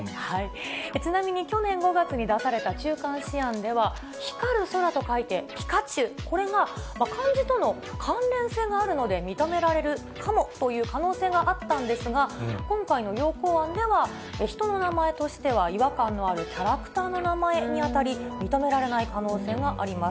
ちなみに去年５月に出された中間試案では、光る宙と書いてピカチュウ、これが漢字との関連性があるので、認められるかもという可能性があったんですが、今回の要綱案では、人の名前としては違和感のあるキャラクターの名前に当たり、認められない可能性があります。